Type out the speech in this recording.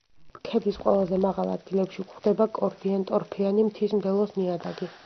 ქედის ყველაზე მაღალ ადგილებში გვხვდება კორდიან-ტორფიანი მთის მდელოს ნიადაგი.